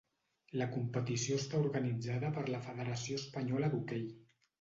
La competició està organitzada per la Federació Espanyola d'Hoquei.